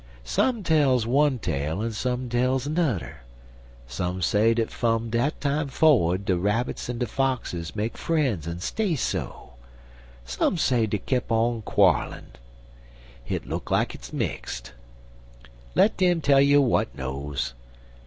Some tells one tale en some tells nudder; some say dat fum dat time forrerd de Rabbits en de Foxes make fren's en stay so; some say dey kep on quollin'. Hit look like it mixt. Let dem tell you w'at knows.